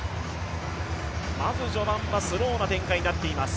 まず序盤はスローな展開になっています。